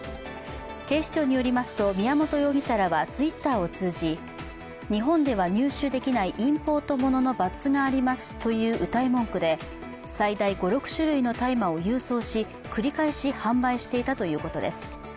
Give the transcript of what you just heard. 警視庁によりますと宮本容疑者らはＴｗｉｔｔｅｒを通じ日本では入手できないインポートもののバッズがありますといううたい文句で、最大５６種類の大麻を郵送し、繰り返し販売していたということです。